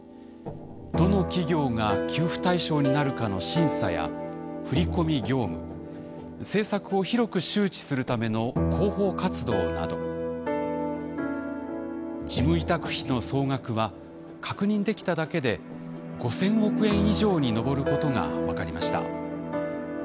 どの企業が給付対象になるかの審査や振り込み業務政策を広く周知するための広報活動など事務委託費の総額は確認できただけで５，０００億円以上に上ることが分かりました。